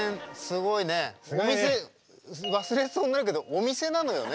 お店忘れそうになるけどお店なのよね